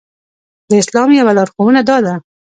د اسلام يوه لارښوونه دا ده.